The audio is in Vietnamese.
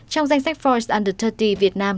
trong danh sách force under ba mươi việt nam